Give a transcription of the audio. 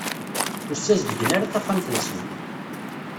Ur ssazedgen ara taxxamt-nsen.